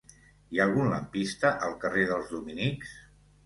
Hi ha algun lampista al carrer dels Dominics?